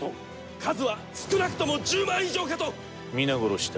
数は少なくとも１０万以上か皆殺しだ。